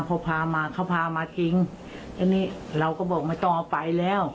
เขาพามาเขาพามาทิ้งแล้วนี่เราก็บอกไม่ต้องเอาไปแล้ว